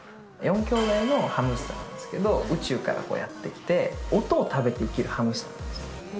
４きょうだいハムスターなんですけど、宇宙からやって来て、音を食べて生きるハムスターなんです。